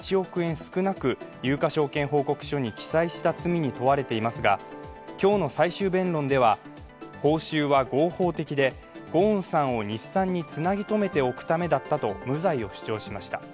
少なく有価証券報告書に記載した罪に問われていますが、今日の最終弁論では、報酬は合法的でゴーンさんを日産につなぎ止めておくためだったと無罪を主張しました。